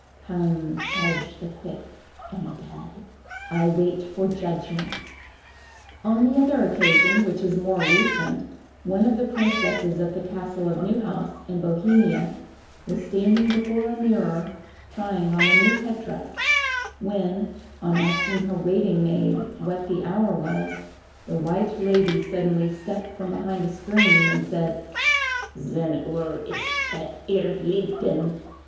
_"—"Come, judge the quick and the dead! I wait for judgment." On the other occasion, which is more recent, one of the princesses at the castle of Neuhaus, in Bohemia, was standing before a mirror, trying on a new head dress, when, on asking her waiting maid what the hour was, the white lady suddenly stepped from behind a screen and said: "Zehn uhr ist es ihr liebden!"